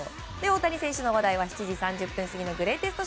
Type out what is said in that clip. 大谷選手の話題は７時３０分過ぎからのグレイテスト